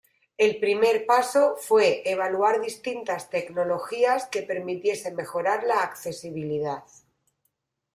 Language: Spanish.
El primer paso fue evaluar distintas tecnologías que permitiesen mejorar la accesibilidad.